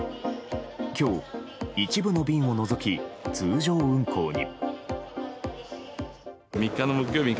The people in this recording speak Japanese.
今日、一部の便を除き通常運航に。